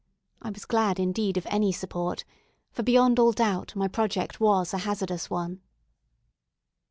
I was glad, indeed, of any support, for, beyond all doubt, my project was a hazardous one.